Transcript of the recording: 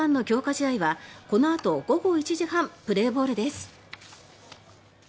試合はこのあと午後１時半プレーボールです。